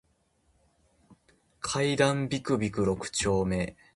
階段ビクビク六丁目